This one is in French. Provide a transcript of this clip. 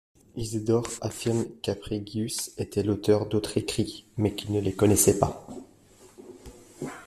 Isidore affirme qu'Apringius était l'auteur d'autres écrits, mais qu'il ne les connaissait pas.